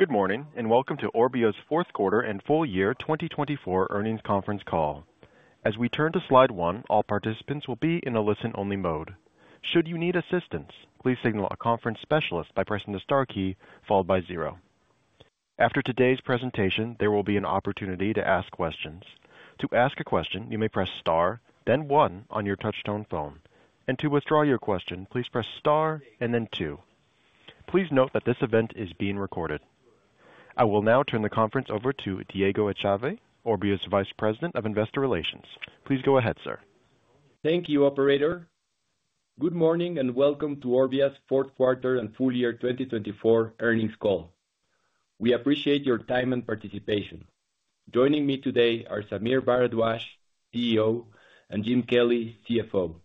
Good morning, and welcome to Orbia's fourth quarter and full year 2024 earnings conference call. As we turn to slide one, all participants will be in a listen-only mode. Should you need assistance, please signal a conference specialist by pressing the star key followed by zero. After today's presentation, there will be an opportunity to ask questions. To ask a question, you may press star, then one on your touch-tone phone. And to withdraw your question, please press star and then two. Please note that this event is being recorded. I will now turn the conference over to Diego Echave, Orbia's Vice President of Investor Relations. Please go ahead, sir. Thank you, Operator. Good morning and welcome to Orbia's fourth quarter and full year 2024 earnings call. We appreciate your time and participation. Joining me today are Sameer Bharadwaj, CEO, and Jim Kelly, CFO.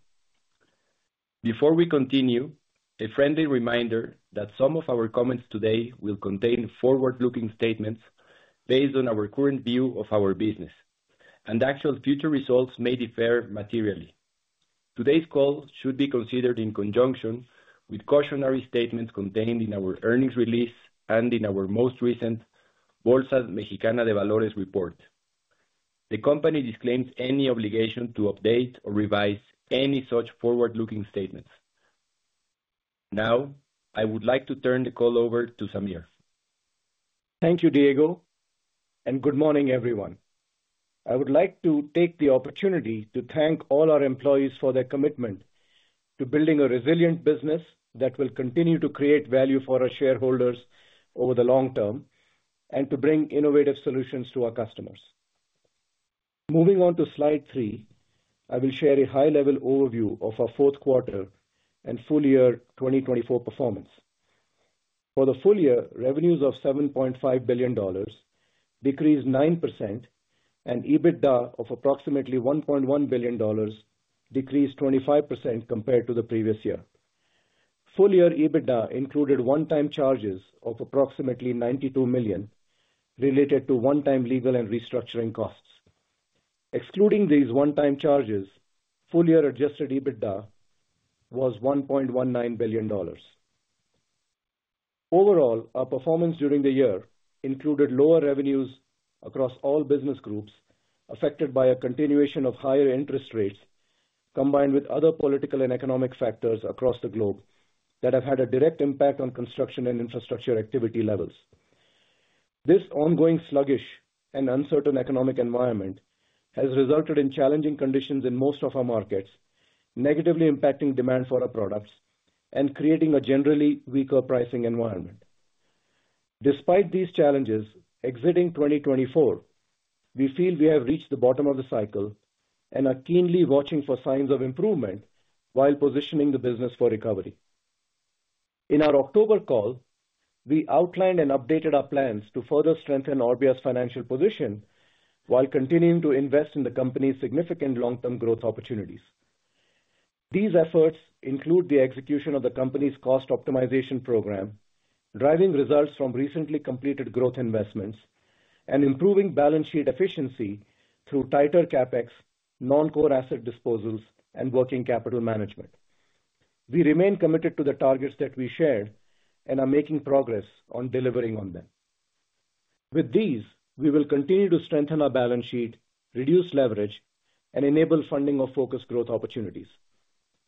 Before we continue, a friendly reminder that some of our comments today will contain forward-looking statements based on our current view of our business, and actual future results may differ materially. Today's call should be considered in conjunction with cautionary statements contained in our earnings release and in our most recent Bolsa Mexicana de Valores report. The company disclaims any obligation to update or revise any such forward-looking statements. Now, I would like to turn the call over to Sameer. Thank you, Diego, and good morning, everyone. I would like to take the opportunity to thank all our employees for their commitment to building a resilient business that will continue to create value for our shareholders over the long term and to bring innovative solutions to our customers. Moving on to slide three, I will share a high-level overview of our fourth quarter and full year 2024 performance. For the full year, revenues of $7.5 billion decreased 9%, and EBITDA of approximately $1.1 billion decreased 25% compared to the previous year. Full year EBITDA included one-time charges of approximately $92 million related to one-time legal and restructuring costs. Excluding these one-time charges, full year adjusted EBITDA was $1.19 billion. Overall, our performance during the year included lower revenues across all business groups affected by a continuation of higher interest rates combined with other political and economic factors across the globe that have had a direct impact on construction and infrastructure activity levels. This ongoing sluggish and uncertain economic environment has resulted in challenging conditions in most of our markets, negatively impacting demand for our products and creating a generally weaker pricing environment. Despite these challenges, exiting 2024, we feel we have reached the bottom of the cycle and are keenly watching for signs of improvement while positioning the business for recovery. In our October call, we outlined and updated our plans to further strengthen Orbia's financial position while continuing to invest in the company's significant long-term growth opportunities. These efforts include the execution of the company's cost optimization program, driving results from recently completed growth investments, and improving balance sheet efficiency through tighter CapEx, non-core asset disposals, and working capital management. We remain committed to the targets that we shared and are making progress on delivering on them. With these, we will continue to strengthen our balance sheet, reduce leverage, and enable funding of focused growth opportunities.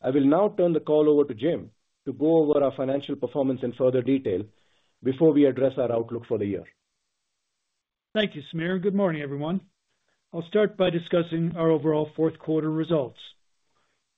I will now turn the call over to Jim to go over our financial performance in further detail before we address our outlook for the year. Thank you, Sameer. Good morning, everyone. I'll start by discussing our overall fourth quarter results.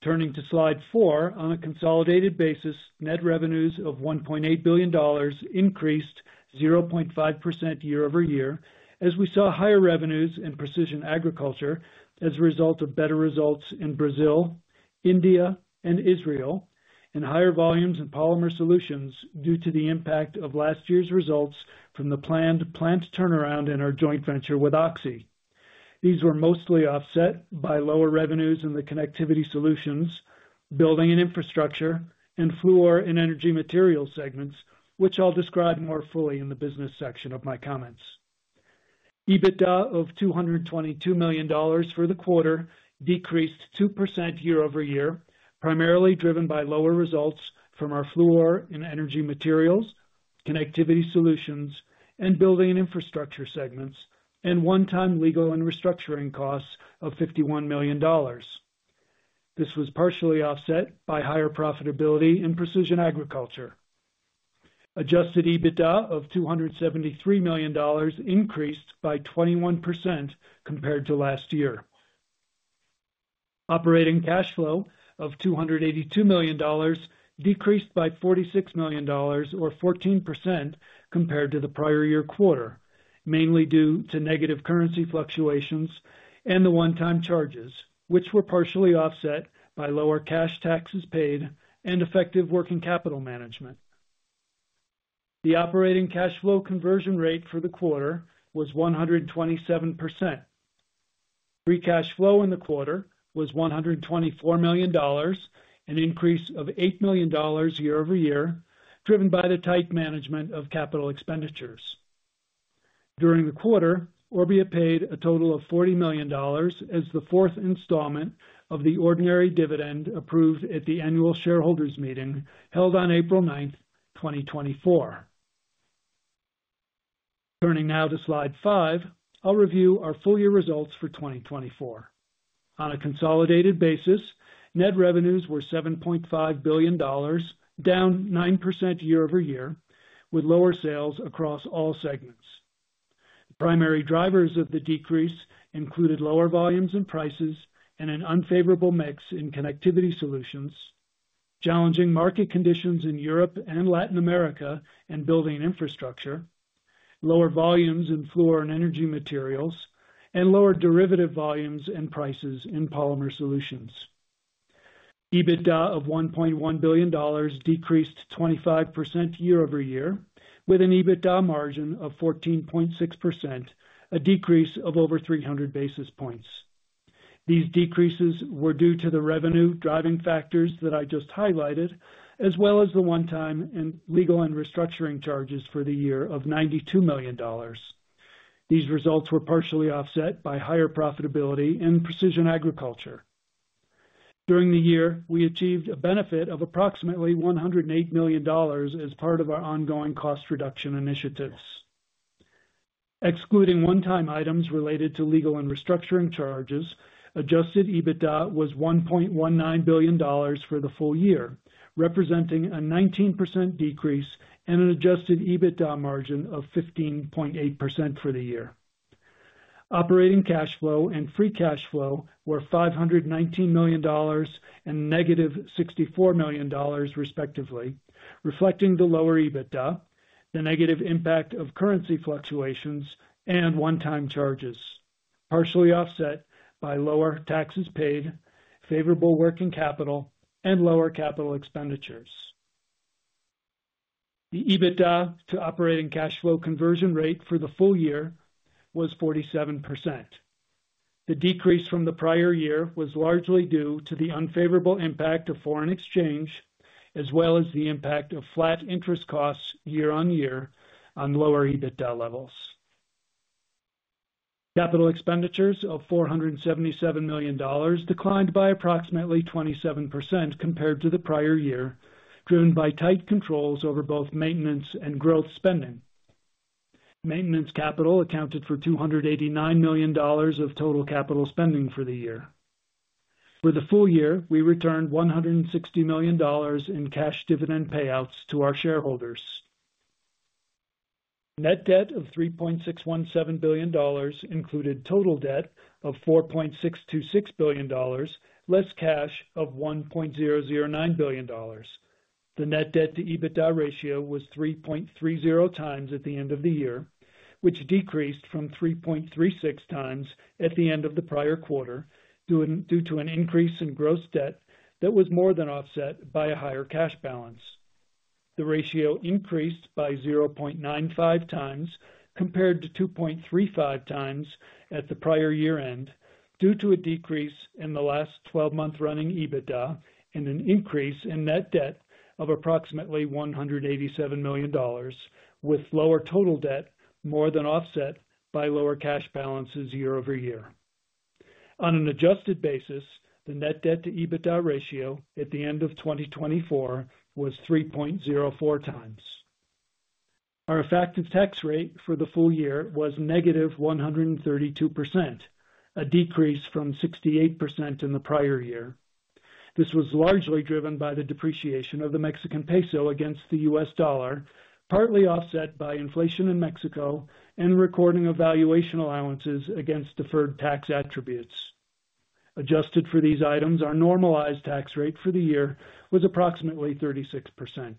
Turning to slide four, on a consolidated basis, net revenues of $1.8 billion increased 0.5% year over year as we saw higher revenues in Precision Agriculture as a result of better results in Brazil, India, and Israel, and higher volumes in Polymer Solutions due to the impact of last year's results from the planned plant turnaround in our joint venture with Oxy. These were mostly offset by lower revenues in the Connectivity Solutions, Building and Infrastructure, and Fluor and Energy Materials segments, which I'll describe more fully in the business section of my comments. EBITDA of $222 million for the quarter decreased 2% year over year, primarily driven by lower results from our Fluor and Energy Materials, Connectivity Solutions, and Building and Infrastructure segments, and one-time legal and restructuring costs of $51 million. This was partially offset by higher profitability in Precision Agriculture. Adjusted EBITDA of $273 million increased by 21% compared to last year. Operating cash flow of $282 million decreased by $46 million, or 14% compared to the prior year quarter, mainly due to negative currency fluctuations and the one-time charges, which were partially offset by lower cash taxes paid and effective working capital management. The operating cash flow conversion rate for the quarter was 127%. Free cash flow in the quarter was $124 million, an increase of $8 million year over year, driven by the tight management of capital expenditures. During the quarter, Orbia paid a total of $40 million as the fourth installment of the ordinary dividend approved at the annual shareholders meeting held on April 9, 2024. Turning now to slide five, I'll review our full year results for 2024. On a consolidated basis, net revenues were $7.5 billion, down 9% year over year, with lower sales across all segments. Primary drivers of the decrease included lower volumes and prices and an unfavorable mix in Connectivity Solutions, challenging market conditions in Europe and Latin America and Building Infrastructure, lower volumes in Fluor and Energy Materials, and lower derivative volumes and prices in Polymer Solutions. EBITDA of $1.1 billion decreased 25% year over year, with an EBITDA margin of 14.6%, a decrease of over 300 basis points. These decreases were due to the revenue driving factors that I just highlighted, as well as the one-time legal and restructuring charges for the year of $92 million. These results were partially offset by higher profitability in Precision Agriculture. During the year, we achieved a benefit of approximately $108 million as part of our ongoing cost reduction initiatives. Excluding one-time items related to legal and restructuring charges, Adjusted EBITDA was $1.19 billion for the full year, representing a 19% decrease and an Adjusted EBITDA margin of 15.8% for the year. Operating cash flow and free cash flow were $519 million and -$64 million, respectively, reflecting the lower EBITDA, the negative impact of currency fluctuations, and one-time charges, partially offset by lower taxes paid, favorable working capital, and lower capital expenditures. The EBITDA to operating cash flow conversion rate for the full year was 47%. The decrease from the prior year was largely due to the unfavorable impact of foreign exchange, as well as the impact of flat interest costs year on year on lower EBITDA levels. Capital expenditures of $477 million declined by approximately 27% compared to the prior year, driven by tight controls over both maintenance and growth spending. Maintenance capital accounted for $289 million of total capital spending for the year. For the full year, we returned $160 million in cash dividend payouts to our shareholders. Net debt of $3.617 billion included total debt of $4.626 billion, less cash of $1.009 billion. The net debt to EBITDA ratio was 3.30 times at the end of the year, which decreased from 3.36 times at the end of the prior quarter due to an increase in gross debt that was more than offset by a higher cash balance. The ratio increased by 0.95 times compared to 2.35 times at the prior year-end due to a decrease in the last 12-month running EBITDA and an increase in net debt of approximately $187 million, with lower total debt more than offset by lower cash balances year over year. On an adjusted basis, the net debt to EBITDA ratio at the end of 2024 was 3.04 times. Our effective tax rate for the full year was -132%, a decrease from 68% in the prior year. This was largely driven by the depreciation of the Mexican peso against the US dollar, partly offset by inflation in Mexico and recording of valuation allowances against deferred tax attributes. Adjusted for these items, our normalized tax rate for the year was approximately 36%.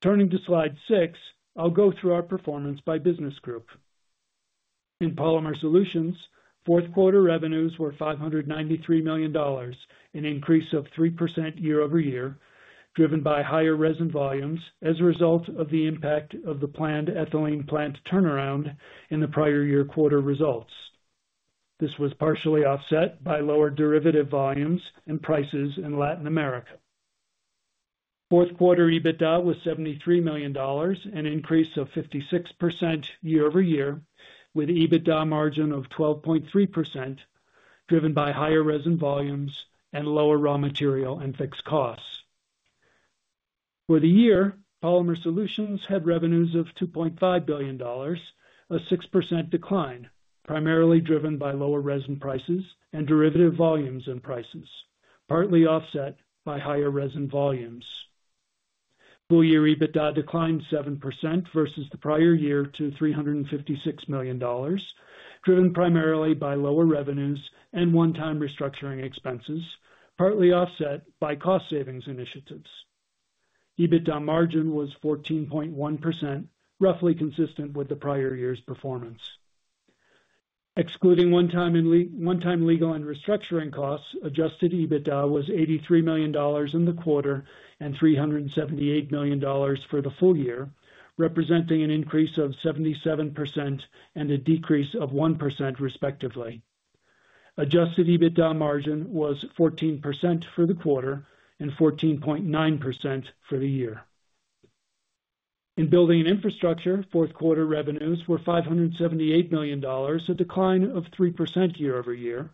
Turning to slide six, I'll go through our performance by business group. In Polymer Solutions, fourth quarter revenues were $593 million, an increase of 3% year over year, driven by higher resin volumes as a result of the impact of the planned ethylene plant turnaround in the prior year quarter results. This was partially offset by lower derivative volumes and prices in Latin America. Fourth quarter EBITDA was $73 million, an increase of 56% year over year, with EBITDA margin of 12.3%, driven by higher resin volumes and lower raw material and fixed costs. For the year, Polymer Solutions had revenues of $2.5 billion, a 6% decline, primarily driven by lower resin prices and derivative volumes and prices, partly offset by higher resin volumes. Full year EBITDA declined 7% versus the prior year to $356 million, driven primarily by lower revenues and one-time restructuring expenses, partly offset by cost savings initiatives. EBITDA margin was 14.1%, roughly consistent with the prior year's performance. Excluding one-time legal and restructuring costs, Adjusted EBITDA was $83 million in the quarter and $378 million for the full year, representing an increase of 77% and a decrease of 1%, respectively. Adjusted EBITDA margin was 14% for the quarter and 14.9% for the year. In Building and Infrastructure, fourth quarter revenues were $578 million, a decline of 3% year over year,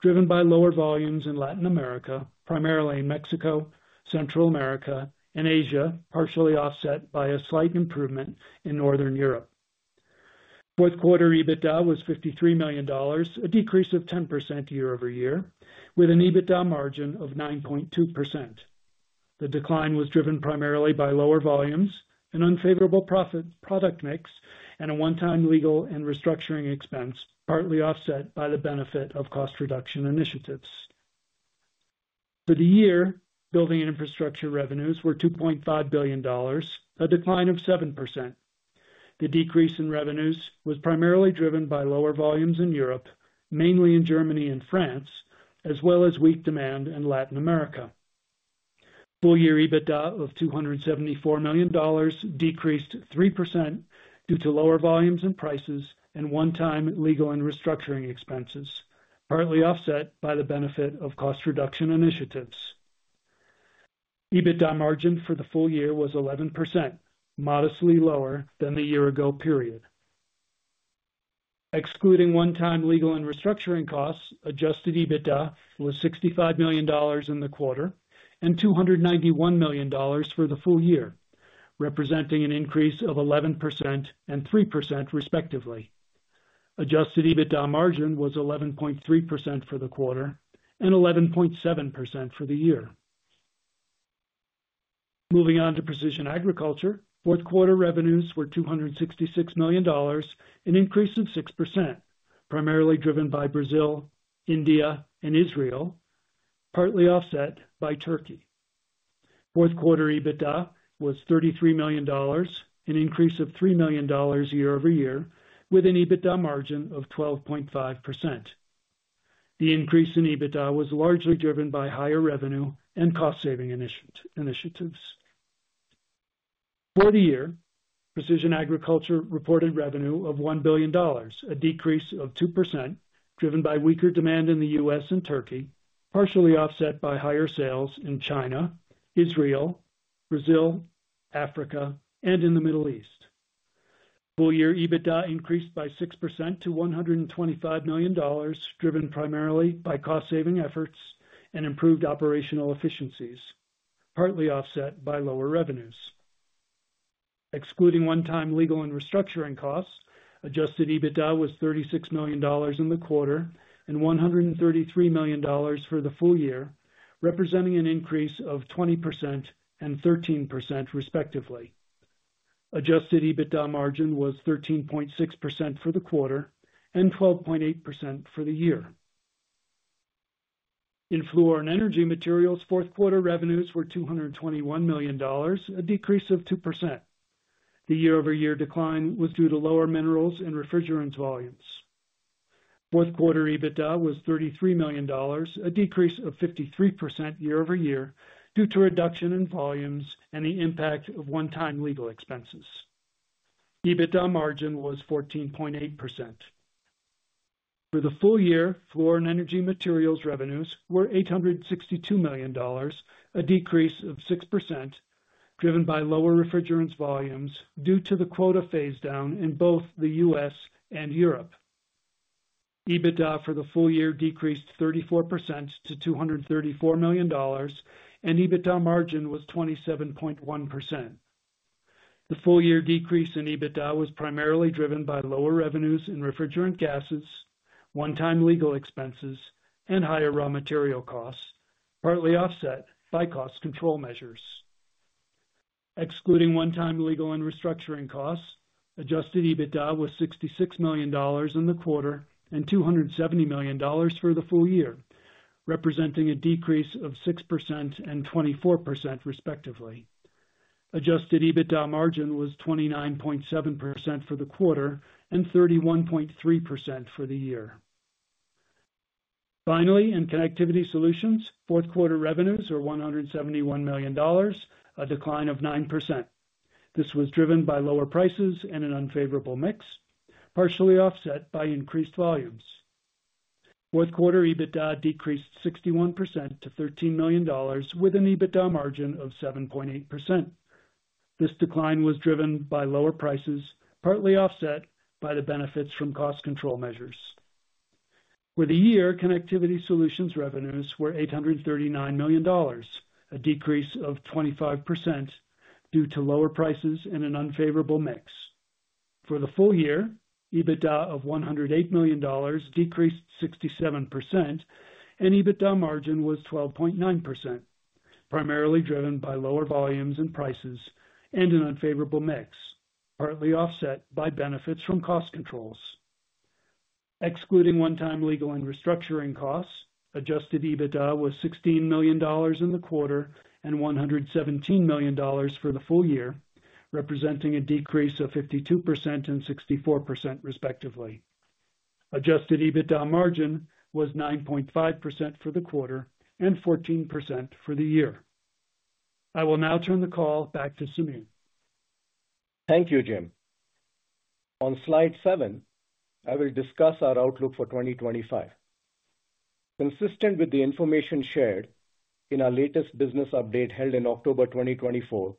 driven by lower volumes in Latin America, primarily in Mexico, Central America, and Asia, partially offset by a slight improvement in Northern Europe. Fourth quarter EBITDA was $53 million, a decrease of 10% year over year, with an EBITDA margin of 9.2%. The decline was driven primarily by lower volumes, an unfavorable product mix, and a one-time legal and restructuring expense, partly offset by the benefit of cost reduction initiatives. For the year, Building and Infrastructure revenues were $2.5 billion, a decline of 7%. The decrease in revenues was primarily driven by lower volumes in Europe, mainly in Germany and France, as well as weak demand in Latin America. Full year EBITDA of $274 million decreased 3% due to lower volumes and prices and one-time legal and restructuring expenses, partly offset by the benefit of cost reduction initiatives. EBITDA margin for the full year was 11%, modestly lower than the year-ago period. Excluding one-time legal and restructuring costs, adjusted EBITDA was $65 million in the quarter and $291 million for the full year, representing an increase of 11% and 3%, respectively. Adjusted EBITDA margin was 11.3% for the quarter and 11.7% for the year. Moving on to Precision Agriculture, fourth quarter revenues were $266 million, an increase of 6%, primarily driven by Brazil, India, and Israel, partly offset by Turkey. Fourth quarter EBITDA was $33 million, an increase of $3 million year over year, with an EBITDA margin of 12.5%. The increase in EBITDA was largely driven by higher revenue and cost saving initiatives. For the year, Precision Agriculture reported revenue of $1 billion, a decrease of 2%, driven by weaker demand in the U.S. and Turkey, partially offset by higher sales in China, Israel, Brazil, Africa, and in the Middle East. Full year EBITDA increased by 6% to $125 million, driven primarily by cost saving efforts and improved operational efficiencies, partly offset by lower revenues. Excluding one-time legal and restructuring costs, Adjusted EBITDA was $36 million in the quarter and $133 million for the full year, representing an increase of 20% and 13%, respectively. Adjusted EBITDA margin was 13.6% for the quarter and 12.8% for the year. In Fluor and Energy Materials, fourth quarter revenues were $221 million, a decrease of 2%. The year-over-year decline was due to lower minerals and refrigerants volumes. Fourth quarter EBITDA was $33 million, a decrease of 53% year over year due to reduction in volumes and the impact of one-time legal expenses. EBITDA margin was 14.8%. For the full year, Fluor and Energy Materials revenues were $862 million, a decrease of 6%, driven by lower refrigerants volumes due to the quota phase-down in both the US and Europe. EBITDA for the full year decreased 34% to $234 million, and EBITDA margin was 27.1%. The full year decrease in EBITDA was primarily driven by lower revenues in refrigerant gases, one-time legal expenses, and higher raw material costs, partly offset by cost control measures. Excluding one-time legal and restructuring costs, Adjusted EBITDA was $66 million in the quarter and $270 million for the full year, representing a decrease of 6% and 24%, respectively. Adjusted EBITDA margin was 29.7% for the quarter and 31.3% for the year. Finally, in Connectivity Solutions, fourth quarter revenues were $171 million, a decline of 9%. This was driven by lower prices and an unfavorable mix, partially offset by increased volumes. Fourth quarter EBITDA decreased 61% to $13 million, with an EBITDA margin of 7.8%. This decline was driven by lower prices, partly offset by the benefits from cost control measures. For the year, Connectivity Solutions revenues were $839 million, a decrease of 25% due to lower prices and an unfavorable mix. For the full year, EBITDA of $108 million decreased 67%, and EBITDA margin was 12.9%, primarily driven by lower volumes and prices and an unfavorable mix, partly offset by benefits from cost controls. Excluding one-time legal and restructuring costs, Adjusted EBITDA was $16 million in the quarter and $117 million for the full year, representing a decrease of 52% and 64%, respectively. Adjusted EBITDA margin was 9.5% for the quarter and 14% for the year. I will now turn the call back to Sameer. Thank you, Jim. On slide seven, I will discuss our outlook for 2025. Consistent with the information shared in our latest business update held in October 2024,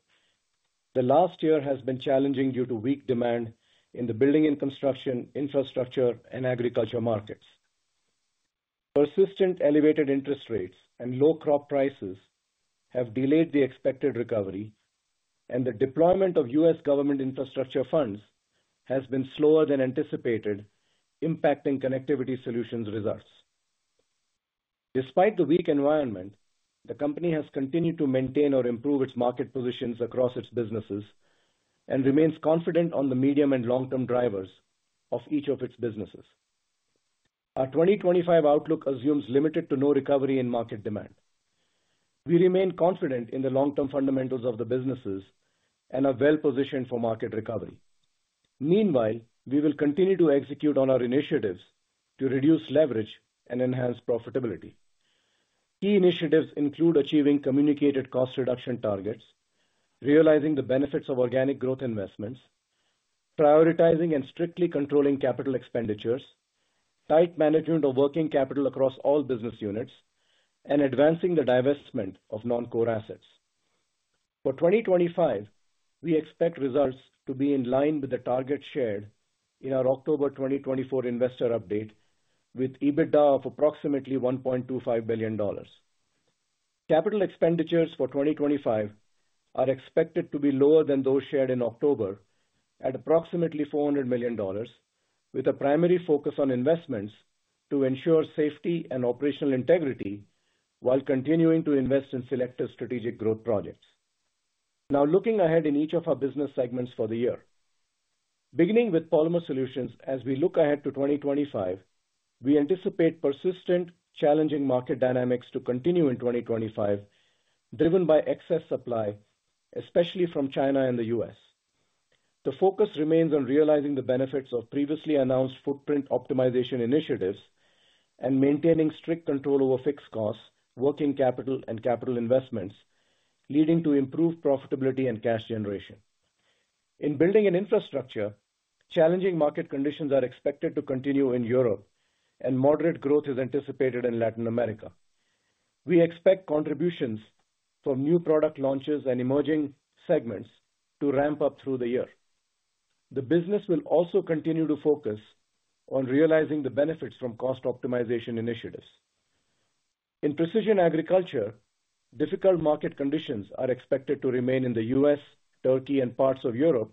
the last year has been challenging due to weak demand in the building and construction, infrastructure, and agriculture markets. Persistent elevated interest rates and low crop prices have delayed the expected recovery, and the deployment of U.S. government infrastructure funds has been slower than anticipated, impacting Connectivity Solutions results. Despite the weak environment, the company has continued to maintain or improve its market positions across its businesses and remains confident on the medium and long-term drivers of each of its businesses. Our 2025 outlook assumes limited to no recovery in market demand. We remain confident in the long-term fundamentals of the businesses and are well positioned for market recovery. Meanwhile, we will continue to execute on our initiatives to reduce leverage and enhance profitability. Key initiatives include achieving communicated cost reduction targets, realizing the benefits of organic growth investments, prioritizing and strictly controlling capital expenditures, tight management of working capital across all business units, and advancing the divestment of non-core assets. For 2025, we expect results to be in line with the target shared in our October 2024 investor update with EBITDA of approximately $1.25 billion. Capital expenditures for 2025 are expected to be lower than those shared in October at approximately $400 million, with a primary focus on investments to ensure safety and operational integrity while continuing to invest in selective strategic growth projects. Now, looking ahead in each of our business segments for the year, beginning with Polymer Solutions, as we look ahead to 2025, we anticipate persistent challenging market dynamics to continue in 2025, driven by excess supply, especially from China and the U.S. The focus remains on realizing the benefits of previously announced footprint optimization initiatives and maintaining strict control over fixed costs, working capital, and capital investments, leading to improved profitability and cash generation. In Building and Infrastructure, challenging market conditions are expected to continue in Europe, and moderate growth is anticipated in Latin America. We expect contributions from new product launches and emerging segments to ramp up through the year. The business will also continue to focus on realizing the benefits from cost optimization initiatives. In Precision Agriculture, difficult market conditions are expected to remain in the U.S., Turkey, and parts of Europe,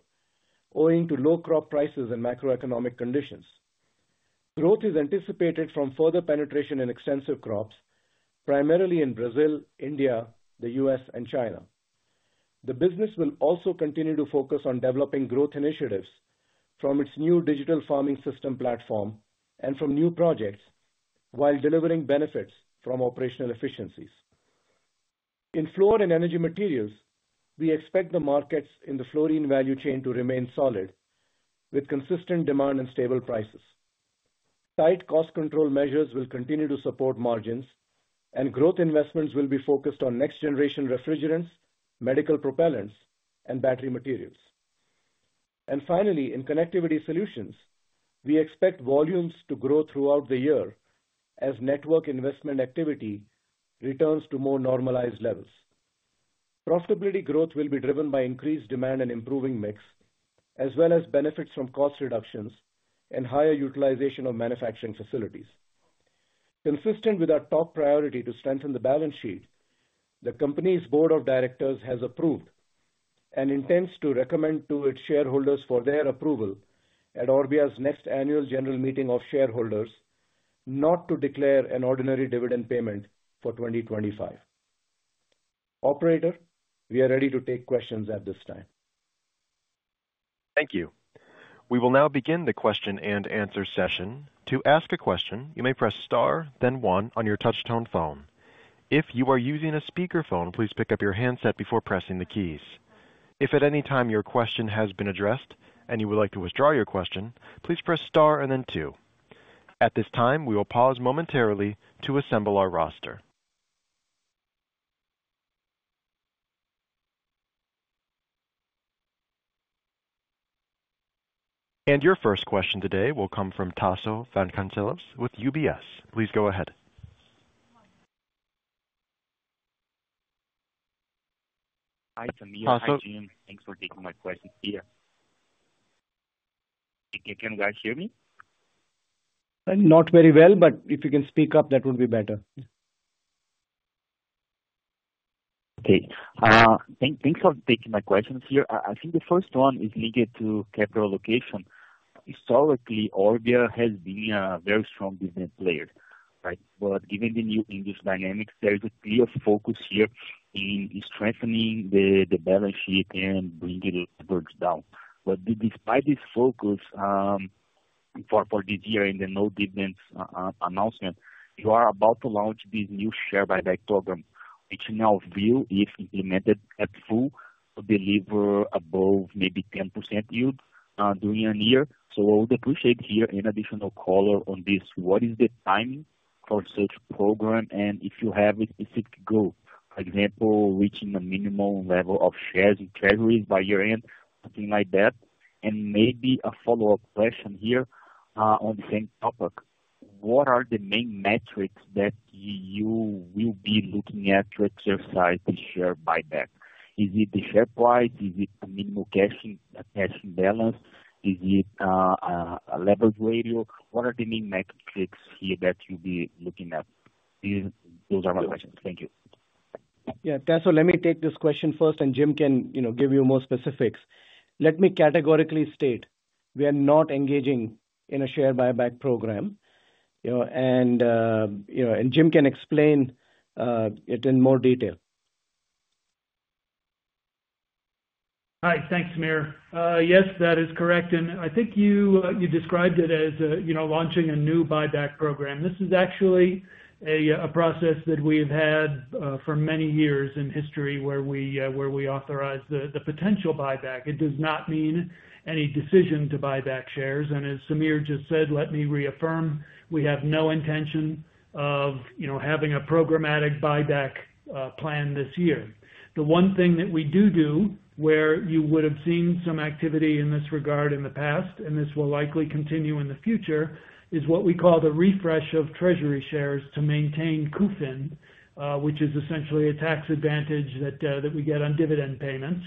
owing to low crop prices and macroeconomic conditions. Growth is anticipated from further penetration in extensive crops, primarily in Brazil, India, the U.S., and China. The business will also continue to focus on developing growth initiatives from its new digital farming system platform and from new projects while delivering benefits from operational efficiencies. In Fluor and Energy Materials, we expect the markets in the fluorine value chain to remain solid with consistent demand and stable prices. Tight cost control measures will continue to support margins, and growth investments will be focused on next-generation refrigerants, medical propellants, and battery materials. And finally, in Connectivity Solutions, we expect volumes to grow throughout the year as network investment activity returns to more normalized levels. Profitability growth will be driven by increased demand and improving mix, as well as benefits from cost reductions and higher utilization of manufacturing facilities. Consistent with our top priority to strengthen the balance sheet, the company's board of directors has approved and intends to recommend to its shareholders for their approval at Orbia's next annual general meeting of shareholders not to declare an ordinary dividend payment for 2025. Operator, we are ready to take questions at this time. Thank you. We will now begin the question and answer session. To ask a question, you may press star, then one on your touch-tone phone. If you are using a speakerphone, please pick up your handset before pressing the keys. If at any time your question has been addressed and you would like to withdraw your question, please press star and then two. At this time, we will pause momentarily to assemble our roster. Your first question today will come from Tasso Vasconcellos with UBS. Please go ahead. Hi, Tasso. Thanks for taking my question here. Can you guys hear me? Not very well, but if you can speak up, that would be better. Okay. Thanks for taking my questions here. I think the first one is linked to capital allocation. Historically, Orbia has been a very strong business player, right? But given the new economic dynamics, there is a clear focus here in strengthening the balance sheet and bringing it down. But despite this focus for this year in the no dividend announcement, you are about to launch this new share buyback program, which, in our view, is implemented at full to deliver above maybe 10% yield during the year. So I would appreciate hearing additional color on this. What is the timing for such a program? And if you have a specific goal, for example, reaching a minimum level of treasury shares by year-end, something like that. And maybe a follow-up question here on the same topic. What are the main metrics that you will be looking at to exercise the share buyback? Is it the share price? Is it the minimum cash balance? Is it a leverage ratio? What are the main metrics here that you'll be looking at? Those are my questions. Thank you. Yeah, Tasso, let me take this question first, and Jim can give you more specifics. Let me categorically state we are not engaging in a share buyback program, and Jim can explain it in more detail. Hi, thanks, Sameer. Yes, that is correct, and I think you described it as launching a new buyback program. This is actually a process that we have had for many years in history where we authorize the potential buyback. It does not mean any decision to buy back shares, and as Sameer just said, let me reaffirm, we have no intention of having a programmatic buyback plan this year. The one thing that we do do where you would have seen some activity in this regard in the past, and this will likely continue in the future, is what we call the refresh of treasury shares to maintain CUFIN, which is essentially a tax advantage that we get on dividend payments,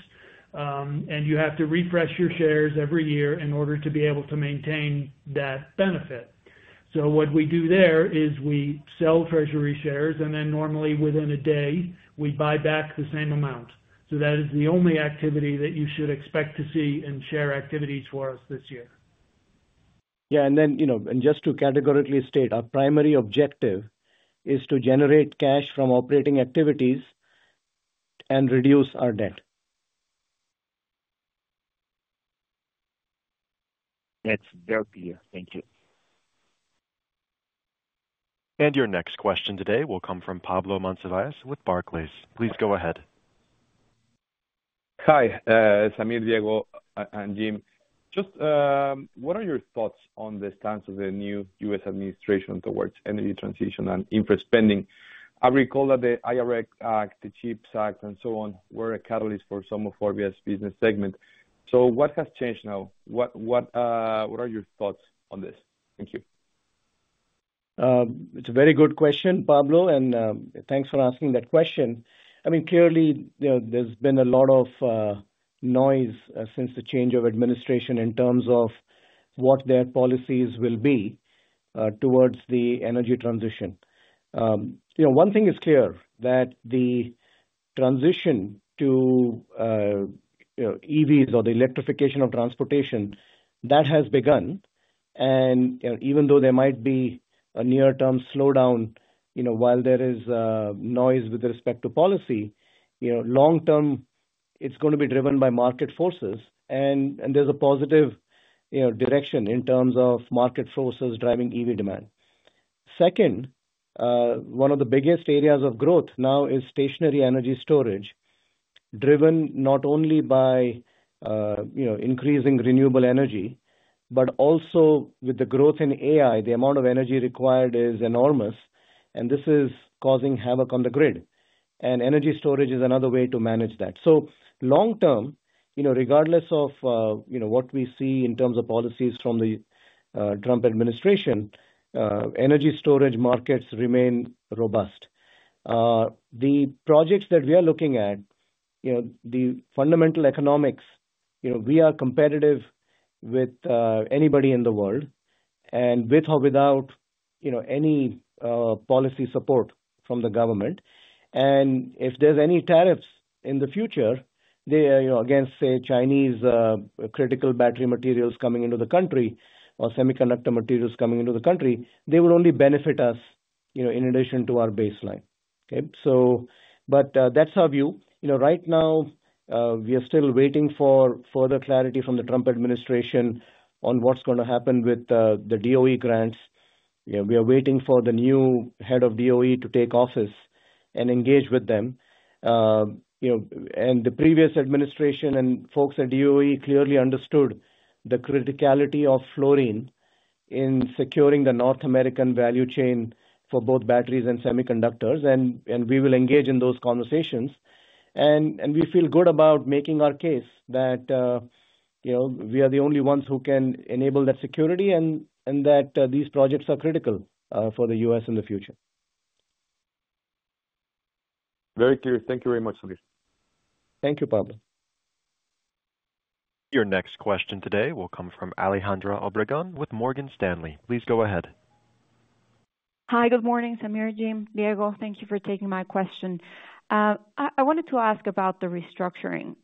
and you have to refresh your shares every year in order to be able to maintain that benefit. So what we do there is we sell Treasury shares, and then normally within a day, we buy back the same amount. So that is the only activity that you should expect to see in share activities for us this year. Yeah, and then, just to categorically state, our primary objective is to generate cash from operating activities and reduce our debt. That's very clear. Thank you. And your next question today will come from Pablo Monsivais with Barclays. Please go ahead. Hi, Sameer, Diego, and Jim. Just what are your thoughts on the stance of the new U.S. administration towards energy transition and infra spending? I recall that the IRA Act, the CHIPS Act, and so on were a catalyst for some of Orbia's business segment. So what has changed now? What are your thoughts on this? Thank you. It's a very good question, Pablo, and thanks for asking that question. I mean, clearly, there's been a lot of noise since the change of administration in terms of what their policies will be towards the energy transition. One thing is clear that the transition to EVs or the electrification of transportation, that has begun. And even though there might be a near-term slowdown while there is noise with respect to policy, long-term, it's going to be driven by market forces. And there's a positive direction in terms of market forces driving EV demand. Second, one of the biggest areas of growth now is stationary energy storage, driven not only by increasing renewable energy, but also with the growth in AI, the amount of energy required is enormous. And this is causing havoc on the grid. And energy storage is another way to manage that. So long-term, regardless of what we see in terms of policies from the Trump administration, energy storage markets remain robust. The projects that we are looking at, the fundamental economics. We are competitive with anybody in the world and with or without any policy support from the government. And if there's any tariffs in the future, again, say Chinese critical battery materials coming into the country or semiconductor materials coming into the country, they will only benefit us in addition to our baseline. But that's our view. Right now, we are still waiting for further clarity from the Trump administration on what's going to happen with the DOE grants. We are waiting for the new head of DOE to take office and engage with them. The previous administration and folks at DOE clearly understood the criticality of fluorine in securing the North American value chain for both batteries and semiconductors. We will engage in those conversations. We feel good about making our case that we are the only ones who can enable that security and that these projects are critical for the U.S. in the future. Very clear. Thank you very much, Sameer. Thank you, Pablo. Your next question today will come from Alejandra Obregón with Morgan Stanley. Please go ahead. Hi, good morning, Sameer, Jim, Diego. Thank you for taking my question. I wanted to ask about the restructuring.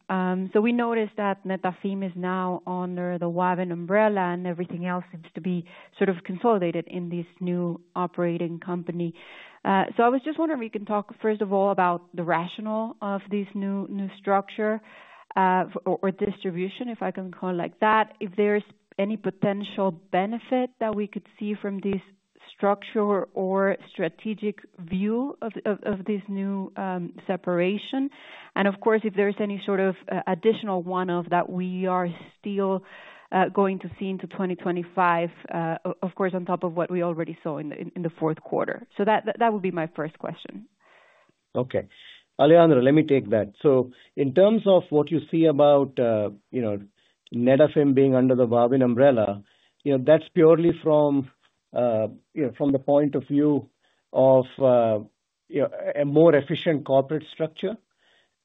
So we noticed that Netafim is now under the Wavin umbrella, and everything else seems to be sort of consolidated in this new operating company. So I was just wondering if we can talk, first of all, about the rationale of this new structure or distribution, if I can call it like that, if there's any potential benefit that we could see from this structure or strategic view of this new separation. And of course, if there's any sort of additional one-off that we are still going to see into 2025, of course, on top of what we already saw in the fourth quarter. So that would be my first question. Okay. Alejandra, let me take that. So in terms of what you see about Netafim being under the Wavin umbrella, that's purely from the point of view of a more efficient corporate structure.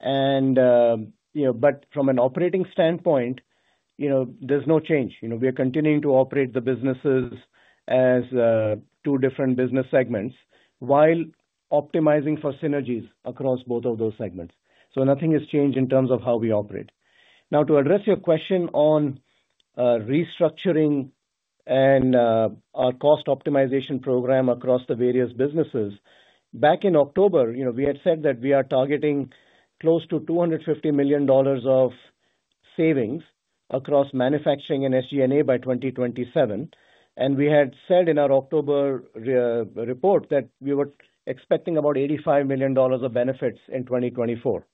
But from an operating standpoint, there's no change. We are continuing to operate the businesses as two different business segments while optimizing for synergies across both of those segments. So nothing has changed in terms of how we operate. Now, to address your question on restructuring and our cost optimization program across the various businesses, back in October, we had said that we are targeting close to $250 million of savings across manufacturing and SG&A by 2027. And we had said in our October report that we were expecting about $85 million of benefits in 2024.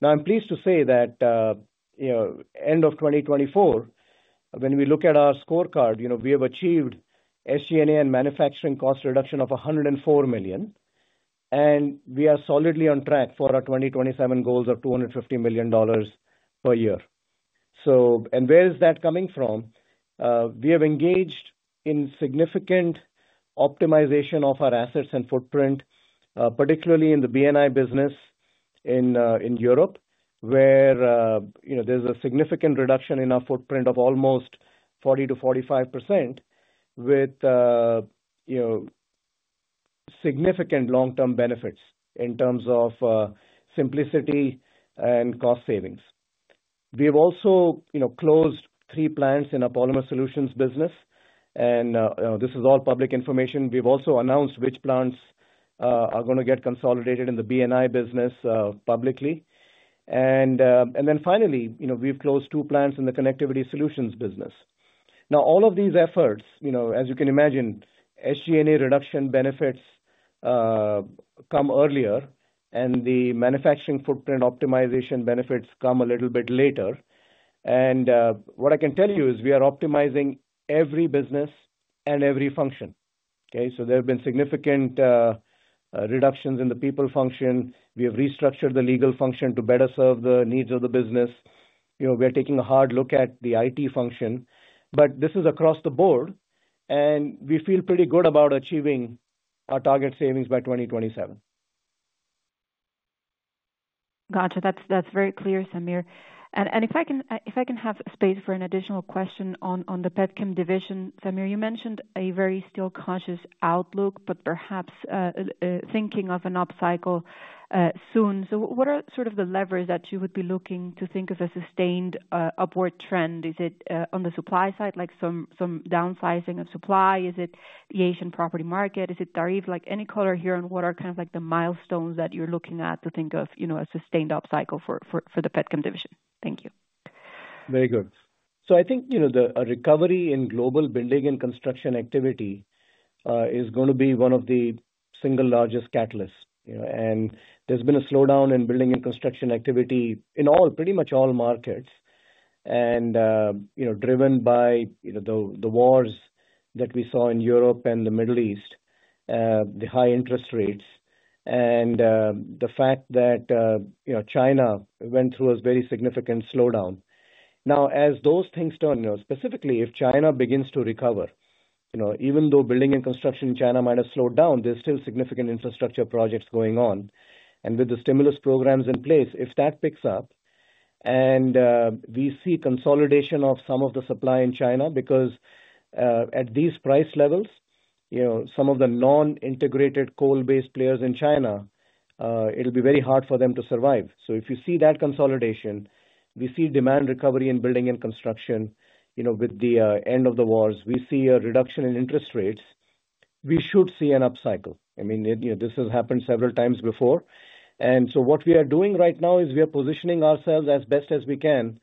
Now, I'm pleased to say that by the end of 2024, when we look at our scorecard, we have achieved SG&A and manufacturing cost reduction of $104 million, and we are solidly on track for our 2027 goals of $250 million per year. And where is that coming from? We have engaged in significant optimization of our assets and footprint, particularly in the BNI business in Europe, where there's a significant reduction in our footprint of almost 40%-45% with significant long-term benefits in terms of simplicity and cost savings. We have also closed three plants in our Polymer Solutions business, and this is all public information. We've also announced which plants are going to get consolidated in the BNI business publicly, and then finally, we've closed two plants in the Connectivity Solutions business. Now, all of these efforts, as you can imagine, SG&A reduction benefits come earlier, and the manufacturing footprint optimization benefits come a little bit later. And what I can tell you is we are optimizing every business and every function. So there have been significant reductions in the people function. We have restructured the legal function to better serve the needs of the business. We are taking a hard look at the IT function. But this is across the board, and we feel pretty good about achieving our target savings by 2027. Gotcha. That's very clear, Sameer, and if I can have space for an additional question on the polymer division, Sameer, you mentioned a very cautious outlook, but perhaps thinking of an upcycle soon, so what are sort of the levers that you would be looking to think of a sustained upward trend? Is it on the supply side, like some downsizing of supply? Is it the Asian property market? Is it tariff? Any color here on what are kind of the milestones that you're looking at to think of a sustained upcycle for the polymer division? Thank you. Very good, so I think a recovery in global building and construction activity is going to be one of the single largest catalysts, and there's been a slowdown in building and construction activity in pretty much all markets, driven by the wars that we saw in Europe and the Middle East, the high interest rates, and the fact that China went through a very significant slowdown. Now, as those things turn, specifically, if China begins to recover, even though building and construction in China might have slowed down, there's still significant infrastructure projects going on, and with the stimulus programs in place, if that picks up and we see consolidation of some of the supply in China, because at these price levels, some of the non-integrated coal-based players in China, it'll be very hard for them to survive. So if you see that consolidation, we see demand recovery in building and construction with the end of the wars, we see a reduction in interest rates, we should see an upcycle. I mean, this has happened several times before. And so what we are doing right now is we are positioning ourselves as best as we can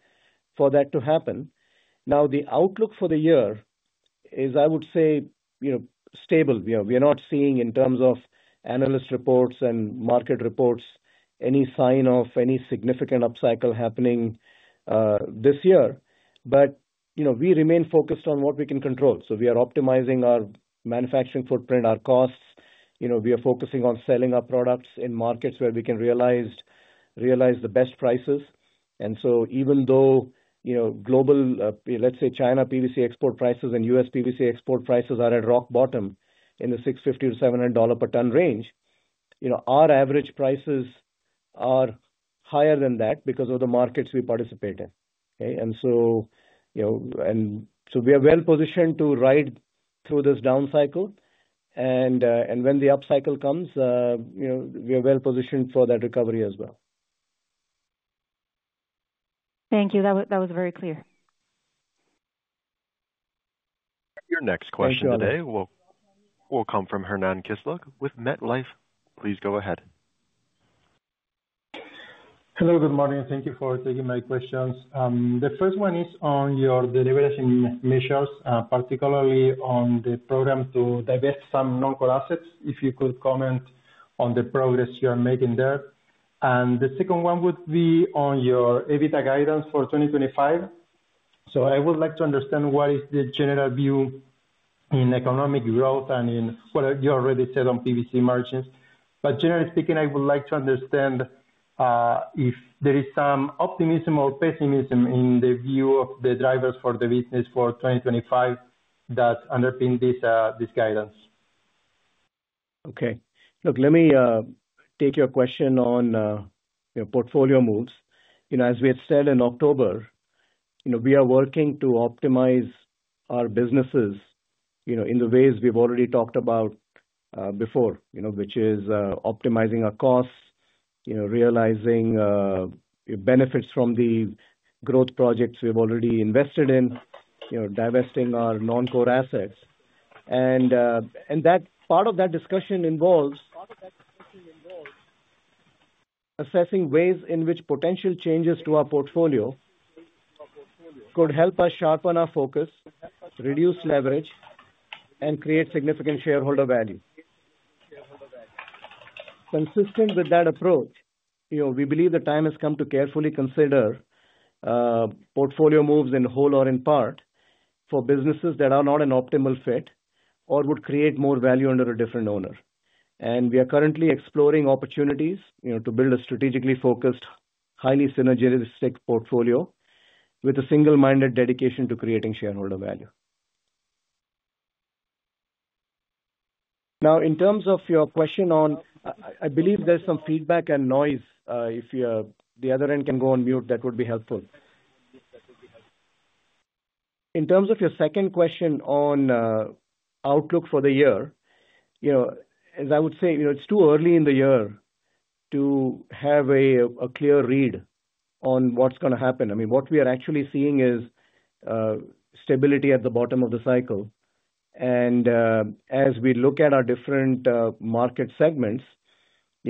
for that to happen. Now, the outlook for the year is, I would say, stable. We are not seeing in terms of analyst reports and market reports any sign of any significant upcycle happening this year. But we remain focused on what we can control. So we are optimizing our manufacturing footprint, our costs. We are focusing on selling our products in markets where we can realize the best prices. And so even though global, let's say, China PVC export prices and U.S. PVC export prices are at rock bottom in the $650-$700 per ton range, our average prices are higher than that because of the markets we participate in. And so we are well positioned to ride through this downcycle. And when the upcycle comes, we are well positioned for that recovery as well. Thank you. That was very clear. Your next question today will come from Hernán Kisluk with MetLife. Please go ahead. Hello, good morning. Thank you for taking my questions. The first one is on your deleveraging measures, particularly on the program to divest some non-core assets. If you could comment on the progress you are making there? And the second one would be on your EBITDA guidance for 2025. So I would like to understand what is the general view in economic growth and in what you already said on PVC margins. But generally speaking, I would like to understand if there is some optimism or pessimism in the view of the drivers for the business for 2025 that underpin this guidance. Okay. Look, let me take your question on portfolio moves. As we had said in October, we are working to optimize our businesses in the ways we've already talked about before, which is optimizing our costs, realizing benefits from the growth projects we've already invested in, divesting our non-core assets. And part of that discussion involves assessing ways in which potential changes to our portfolio could help us sharpen our focus, reduce leverage, and create significant shareholder value. Consistent with that approach, we believe the time has come to carefully consider portfolio moves in whole or in part for businesses that are not an optimal fit or would create more value under a different owner. And we are currently exploring opportunities to build a strategically focused, highly synergistic portfolio with a single-minded dedication to creating shareholder value. Now, in terms of your question on, I believe there's some feedback and noise. If the other end can go on mute, that would be helpful. In terms of your second question on outlook for the year, as I would say, it's too early in the year to have a clear read on what's going to happen. I mean, what we are actually seeing is stability at the bottom of the cycle, and as we look at our different market segments, I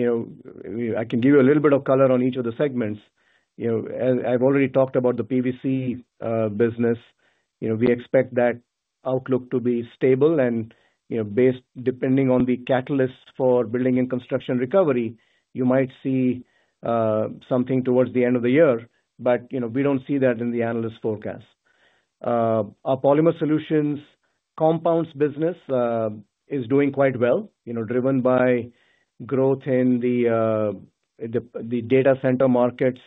can give you a little bit of color on each of the segments. I've already talked about the PVC business. We expect that outlook to be stable, and depending on the catalysts for building and construction recovery, you might see something towards the end of the year, but we don't see that in the analyst forecast. Our Polymer Solutions compounds business is doing quite well, driven by growth in the data center markets,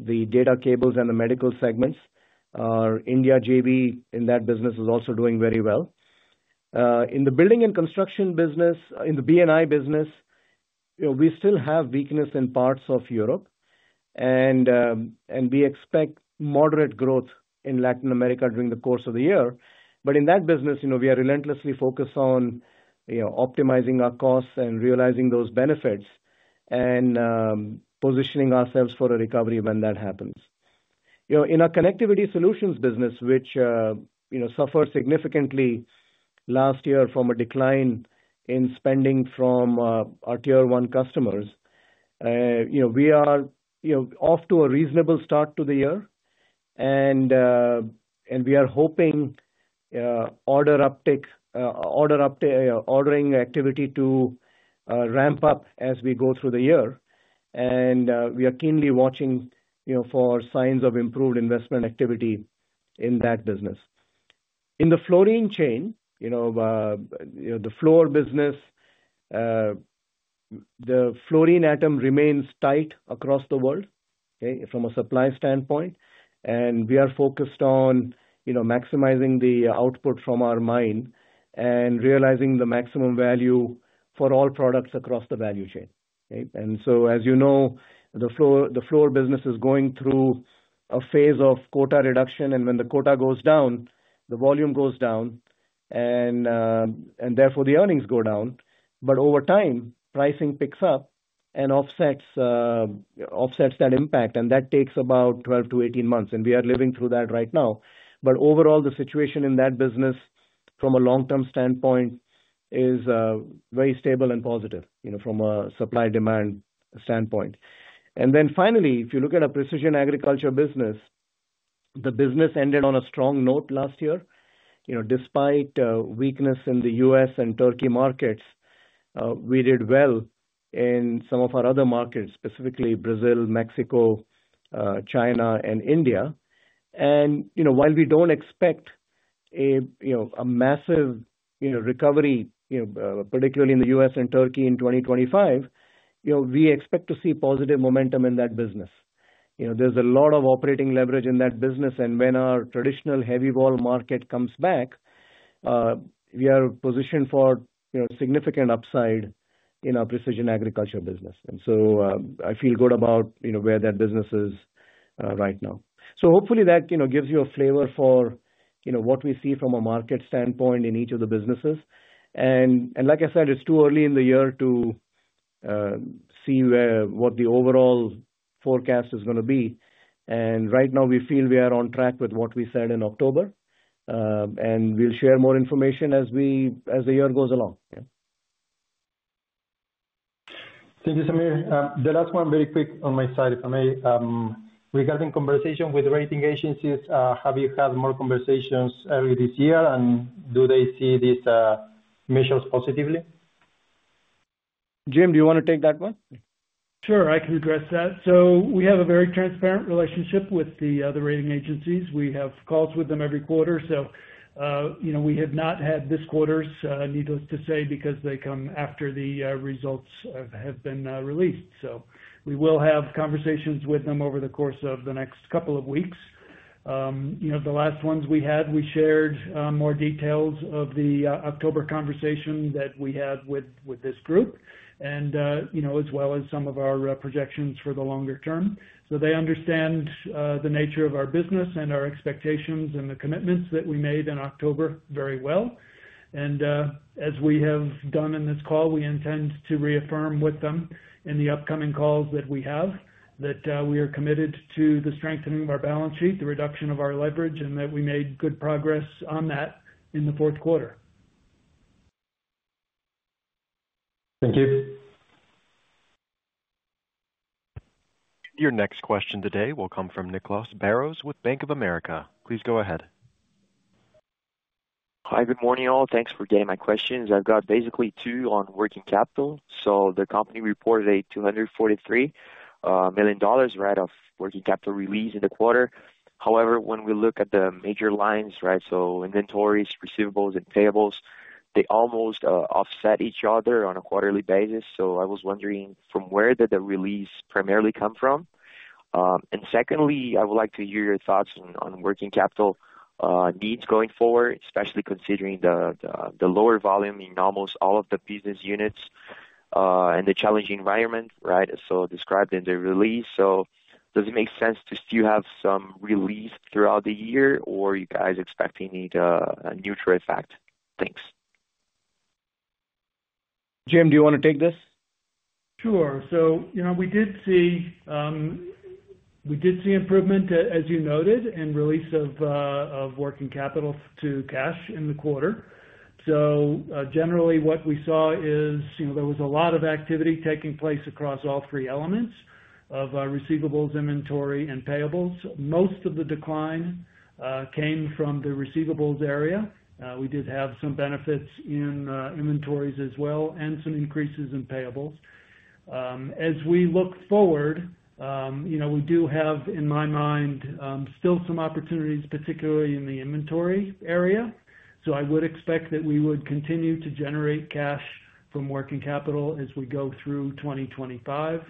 the data cables, and the medical segments. India JV in that business is also doing very well. In the building and construction business, in the Building & Infrastructure business, we still have weakness in parts of Europe. And we expect moderate growth in Latin America during the course of the year. But in that business, we are relentlessly focused on optimizing our costs and realizing those benefits and positioning ourselves for a recovery when that happens. In our Connectivity Solutions business, which suffered significantly last year from a decline in spending from our tier one customers, we are off to a reasonable start to the year. And we are hoping ordering activity to ramp up as we go through the year. And we are keenly watching for signs of improved investment activity in that business. In the fluorine chain, the Fluor business, the fluorine atom remains tight across the world from a supply standpoint. We are focused on maximizing the output from our mine and realizing the maximum value for all products across the value chain. So, as you know, the Fluor business is going through a phase of quota reduction. When the quota goes down, the volume goes down, and therefore the earnings go down. But over time, pricing picks up and offsets that impact. That takes about 12 months-18 months. We are living through that right now. But overall, the situation in that business from a long-term standpoint is very stable and positive from a supply-demand standpoint. Then finally, if you look at the Precision Agriculture business, the business ended on a strong note last year. Despite weakness in the U.S. and Turkey markets, we did well in some of our other markets, specifically Brazil, Mexico, China, and India, and while we don't expect a massive recovery, particularly in the U.S. and Turkey in 2025, we expect to see positive momentum in that business. There's a lot of operating leverage in that business, and when our traditional heavy wall market comes back, we are positioned for significant upside in our Precision Agriculture business, and so I feel good about where that business is right now, so hopefully that gives you a flavor for what we see from a market standpoint in each of the businesses, and like I said, it's too early in the year to see what the overall forecast is going to be, and right now, we feel we are on track with what we said in October. We'll share more information as the year goes along. Thank you, Sameer. The last one, very quick on my side, if I may. Regarding conversation with rating agencies, have you had more conversations early this year, and do they see these measures positively? Jim, do you want to take that one? Sure. I can address that. So we have a very transparent relationship with the other rating agencies. We have calls with them every quarter. So we have not had this quarter's, needless to say, because they come after the results have been released. So we will have conversations with them over the course of the next couple of weeks. The last ones we had, we shared more details of the October conversation that we had with this group, as well as some of our projections for the longer term. So they understand the nature of our business and our expectations and the commitments that we made in October very well. As we have done in this call, we intend to reaffirm with them in the upcoming calls that we are committed to the strengthening of our balance sheet, the reduction of our leverage, and that we made good progress on that in the fourth quarter. Thank you. Your next question today will come from Nicolas Barros with Bank of America. Please go ahead. Hi, good morning, all. Thanks for getting my questions. I've got basically two on working capital. The company reported a $243 million worth of working capital release in the quarter. However, when we look at the major lines, so inventories, receivables, and payables, they almost offset each other on a quarterly basis. I was wondering from where did the release primarily come from? And secondly, I would like to hear your thoughts on working capital needs going forward, especially considering the lower volume in almost all of the business units and the challenging environment, right, as described in the release. Does it make sense to still have some release throughout the year, or are you guys expecting a neutral effect? Thanks. Jim, do you want to take this? Sure. So we did see improvement, as you noted, in release of working capital to cash in the quarter. So generally, what we saw is there was a lot of activity taking place across all three elements of receivables, inventory, and payables. Most of the decline came from the receivables area. We did have some benefits in inventories as well and some increases in payables. As we look forward, we do have, in my mind, still some opportunities, particularly in the inventory area. So I would expect that we would continue to generate cash from working capital as we go through 2025.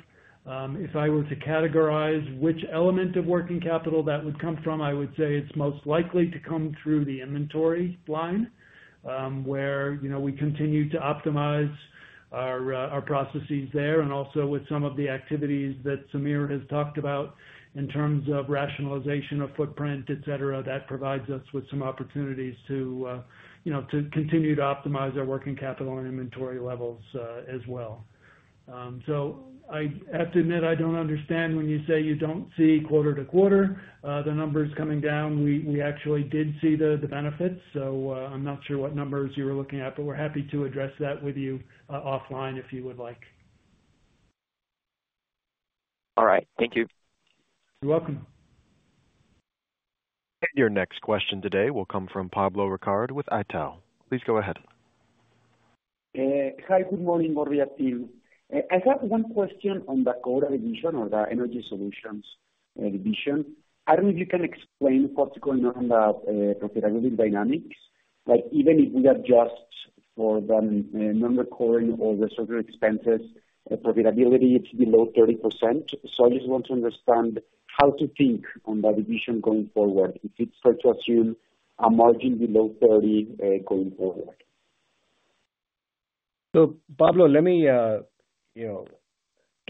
If I were to categorize which element of working capital that would come from, I would say it's most likely to come through the inventory line, where we continue to optimize our processes there. Also, with some of the activities that Sameer has talked about in terms of rationalization of footprint, etc., that provides us with some opportunities to continue to optimize our working capital and inventory levels as well. So I have to admit, I don't understand when you say you don't see quarter to quarter the numbers coming down. We actually did see the benefits. So I'm not sure what numbers you were looking at, but we're happy to address that with you offline if you would like. All right. Thank you. You're welcome. Your next question today will come from Pablo Ricalde with Itaú. Please go ahead. Hi, good morning, Orbia Team. I have one question on the Koura division or the energy solutions division. I don't know if you can explain what's going on in the profitability dynamics. Even if we adjust for the non-recurring or the recurring expenses, profitability is below 30%. So I just want to understand how to think on that division going forward, if it's going to assume a margin below 30% going forward. So Pablo, let me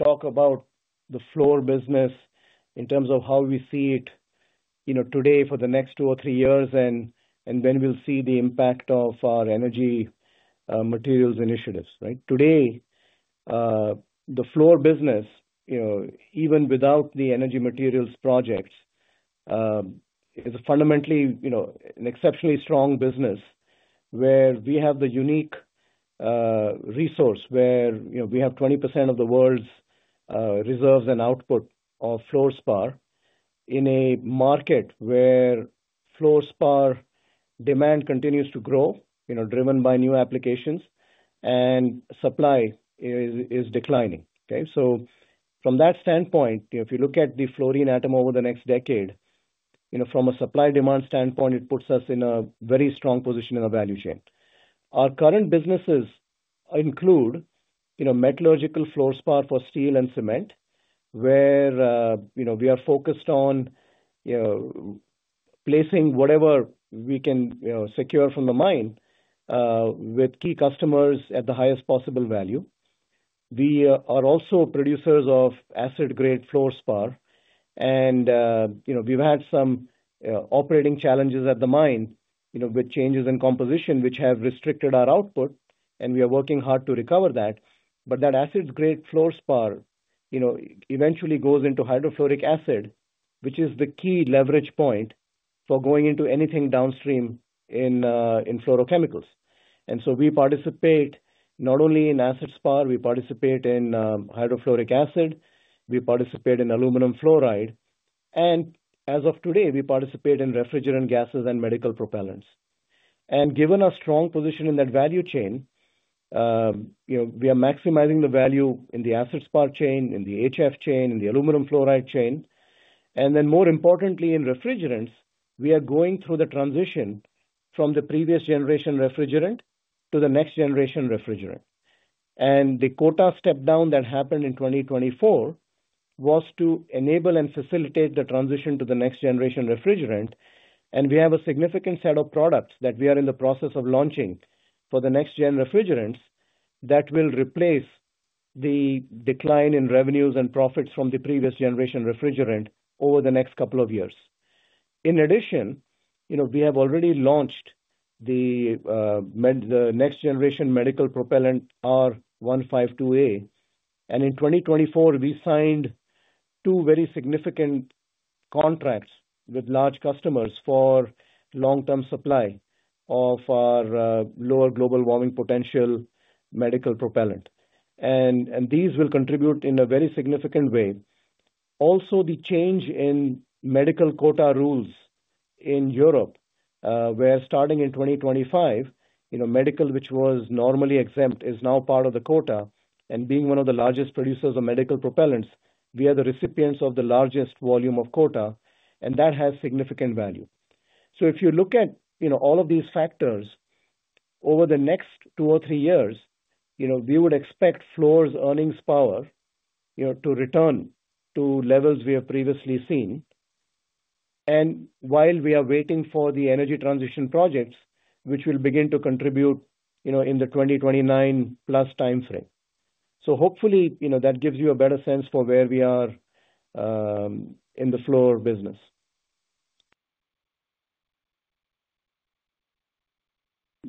talk about the Fluor business in terms of how we see it today for the next two or three years, and then we'll see the impact of our energy materials initiatives. Today, the Fluor business, even without the energy materials projects, is fundamentally an exceptionally strong business where we have the unique resource where we have 20% of the world's reserves and output of fluorspar in a market where fluorspar demand continues to grow, driven by new applications, and supply is declining. So from that standpoint, if you look at the fluorine atom over the next decade, from a supply-demand standpoint, it puts us in a very strong position in the value chain. Our current businesses include metallurgical fluorspar for steel and cement, where we are focused on placing whatever we can secure from the mine with key customers at the highest possible value. We are also producers of acid-grade fluorspar. And we've had some operating challenges at the mine with changes in composition, which have restricted our output. And we are working hard to recover that. But that acid-grade fluorspar eventually goes into hydrofluoric acid, which is the key leverage point for going into anything downstream in fluorochemicals. And so we participate not only in acid fluorspar. We participate in hydrofluoric acid. We participate in aluminum fluoride. And as of today, we participate in refrigerant gases and medical propellants. And given our strong position in that value chain, we are maximizing the value in the acid fluorspar chain, in the HF chain, in the aluminum fluoride chain. Then, more importantly, in refrigerants, we are going through the transition from the previous generation refrigerant to the next generation refrigerant. The quota step-down that happened in 2024 was to enable and facilitate the transition to the next generation refrigerant. We have a significant set of products that we are in the process of launching for the next-gen refrigerants that will replace the decline in revenues and profits from the previous generation refrigerant over the next couple of years. In addition, we have already launched the next-generation medical propellant, R-152a. In 2024, we signed two very significant contracts with large customers for long-term supply of our lower global warming potential medical propellant. These will contribute in a very significant way. Also, the change in medical quota rules in Europe, where starting in 2025, medical, which was normally exempt, is now part of the quota. And being one of the largest producers of medical propellants, we are the recipients of the largest volume of quota. And that has significant value. So if you look at all of these factors, over the next two or three years, we would expect Fluor's earnings power to return to levels we have previously seen. And while we are waiting for the energy transition projects, which will begin to contribute in the 2029-plus time frame. So hopefully, that gives you a better sense for where we are in the Fluor business.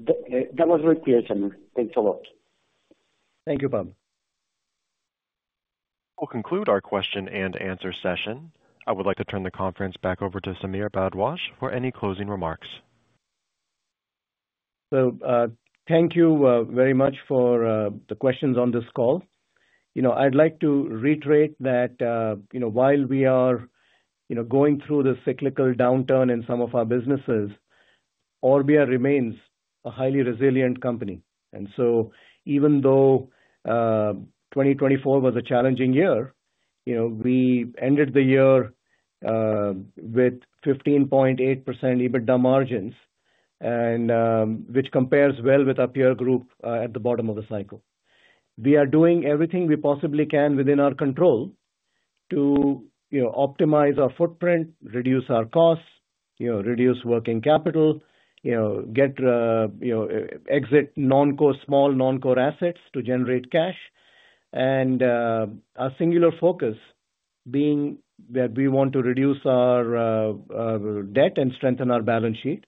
That was a great question. Thanks a lot. Thank you, Pablo. We'll conclude our question and answer session. I would like to turn the conference back over to Sameer Bharadwaj for any closing remarks. Thank you very much for the questions on this call. I'd like to reiterate that while we are going through the cyclical downturn in some of our businesses, Orbia remains a highly resilient company. Even though 2024 was a challenging year, we ended the year with 15.8% EBITDA margins, which compares well with our peer group at the bottom of the cycle. We are doing everything we possibly can within our control to optimize our footprint, reduce our costs, reduce working capital, exit small non-core assets to generate cash, and our singular focus being that we want to reduce our debt and strengthen our balance sheet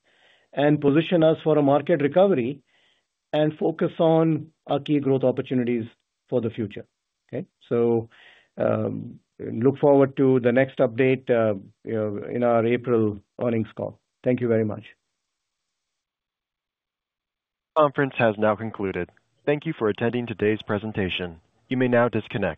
and position us for a market recovery and focus on our key growth opportunities for the future. Look forward to the next update in our April earnings call. Thank you very much. The conference has now concluded. Thank you for attending today's presentation. You may now disconnect.